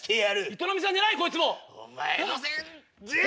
営さんじゃないこいつもう。